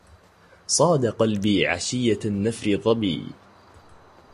صاد قلبي عشية النفر ظبي